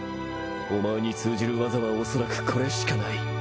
お前に通じる技はおそらくこれしかない。